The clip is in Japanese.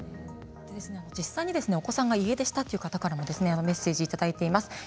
実際にお子さんが家出をしたという方からもメッセージをいただいています。